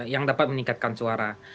yang dapat meningkatkan suara